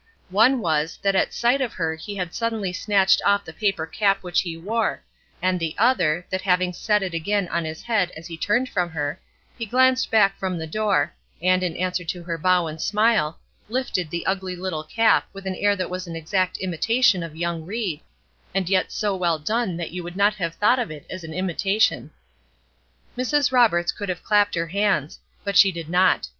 One was, that at sight of her he had suddenly snatched off the paper cap which he wore, and the other, that having set it again on his head as he turned from her, he glanced back from the door, and, in answer to her bow and smile, lifted the ugly little cap with an air that was an exact imitation of young Ried, and yet so well done that you would not have thought of it as an imitation. Mrs. Roberts could have clapped her hands; but she did not.